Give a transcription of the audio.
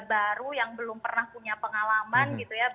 baru yang belum pernah punya pengalaman